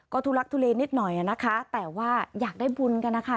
ก็ทุลักทุเลนิดหน่อยนะคะแต่ว่าอยากได้บุญกันนะคะ